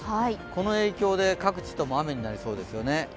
この影響で各地とも雨になりそうですよね。